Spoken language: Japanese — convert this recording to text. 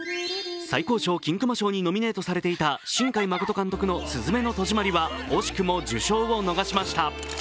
最高賞・金熊賞にノミネートされていた新海誠監督の「すずめの戸締まり」は惜しくも受賞を逃しました。